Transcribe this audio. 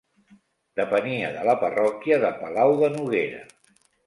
Depenia de la parròquia de Palau de Noguera.